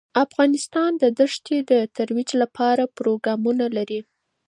افغانستان د دښتې د ترویج لپاره پروګرامونه لري.